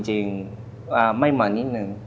จริงไม่เหมือนนิดนึง